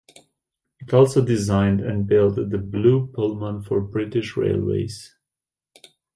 It also designed and built the Blue Pullman for British Railways.